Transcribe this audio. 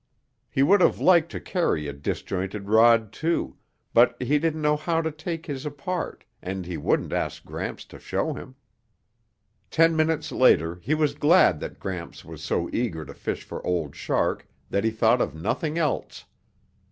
He would have liked to carry a disjointed rod, too, but he didn't know how to take his apart and he wouldn't ask Gramps to show him. Ten minutes later he was glad that Gramps was so eager to fish for Old Shark that he thought of nothing else.